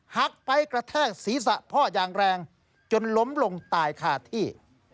หักไปกระแทกศีรษะพ่ออย่างแรงจนล้มลงตายคาที่